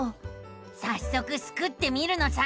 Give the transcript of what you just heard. さっそくスクってみるのさ！